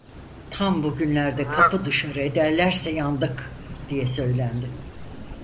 "Tam bugünlerde kapı dışarı ederlerse yandık!" diye söylendi.